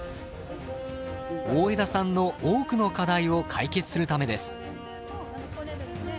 大枝さんの多くの課題を解決するためです。